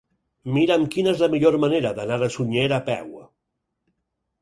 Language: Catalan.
Mira'm quina és la millor manera d'anar a Sunyer a peu.